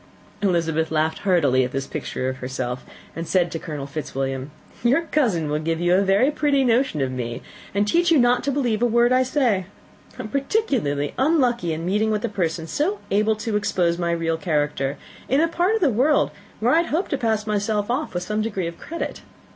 Elizabeth laughed heartily at this picture of herself, and said to Colonel Fitzwilliam, "Your cousin will give you a very pretty notion of me, and teach you not to believe a word I say. I am particularly unlucky in meeting with a person so well able to expose my real character, in a part of the world where I had hoped to pass myself off with some degree of credit.